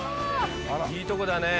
いいとこだね